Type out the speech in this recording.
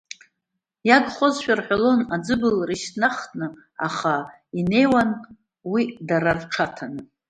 Иагозшәа рҳәалон аӡыблара ишьҭнахны, аха инеиуан уи дара рҽаҭан.